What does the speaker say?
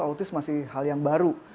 autis masih hal yang baru